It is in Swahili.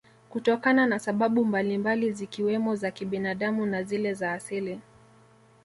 Kutokana na sababu mbalimbali zikiwemo za kibinadamu na zile za asili